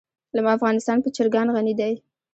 افغانستان په چرګان غني دی.